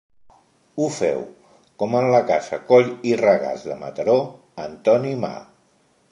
Ho féu, com en la casa Coll i Regàs de Mataró, Antoni Ma.